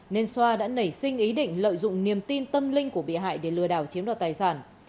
nên xoa đã nảy sinh ý định lợi dụng niềm tin tâm linh của bị hại để lừa đảo chiếm đoạt tài sản